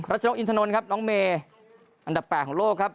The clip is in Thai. ชนกอินทนนท์ครับน้องเมย์อันดับ๘ของโลกครับ